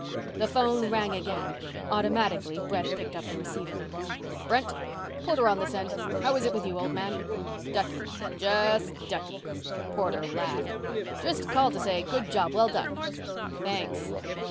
The phone rang again. Automatically, Brent picked up the receiver. "Brent? Porter on this end. How is it with you, old man?" "Ducky. Just ducky." Porter laughed. "Just called to say, 'Good job well done.'" "Thanks."